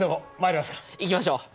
行きましょう。